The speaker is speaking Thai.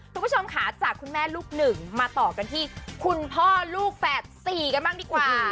คุณผู้ชมค่ะจากคุณแม่ลูกหนึ่งมาต่อกันที่คุณพ่อลูกแฝดสี่กันบ้างดีกว่า